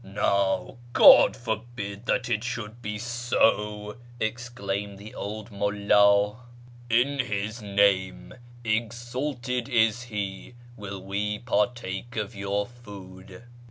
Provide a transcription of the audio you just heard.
" Now God forbid that it hould be so !" exclaimed the old mulld ;" in His Name |j3xalted is He !) will we partake of your food."